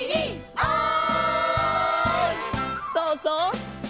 「おい！」